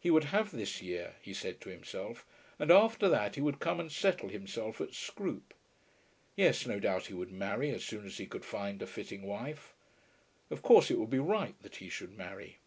He would have this year, he said, to himself; and after that he would come and settle himself at Scroope. Yes; no doubt he would marry as soon as he could find a fitting wife. Of course it would be right that he should marry.